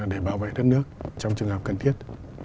để bảo vệ đất nước trong trường hợp cần thiết